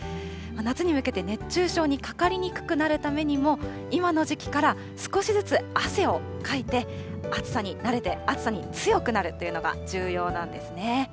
夏に向けて、熱中症にかかりにくくなるためにも、今の時期から少しずつ汗をかいて、暑さに慣れて、暑さに強くなるというのが重要なんですね。